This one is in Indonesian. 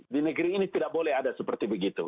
di negeri ini tidak boleh ada seperti begitu